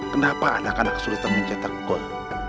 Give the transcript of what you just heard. kenapa anak anak kesulitan mencetak gol